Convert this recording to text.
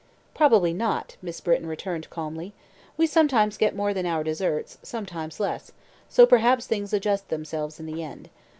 "Probably not," Miss Britton returned calmly. "We sometimes get more than our deserts, sometimes less, so perhaps things adjust themselves in the end.